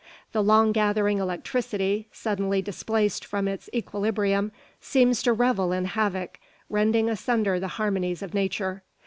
The long gathering electricity, suddenly displaced from its equilibrium, seems to revel in havoc, rending asunder the harmonies of nature.